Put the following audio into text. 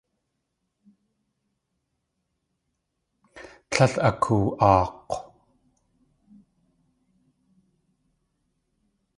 Tlél akoo.aak̲w.